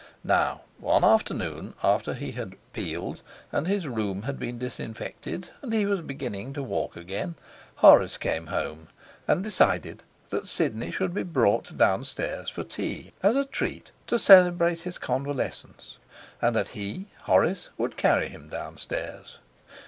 Now one afternoon, after he had 'peeled' and his room had been disinfected, and he was beginning to walk again, Horace came home and decided that Sidney should be brought downstairs for tea as a treat, to celebrate his convalescence, and that he, Horace, would carry him downstairs.